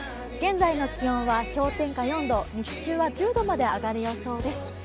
現在の気温は氷点下４度、日中は１０度まで上がる予想です。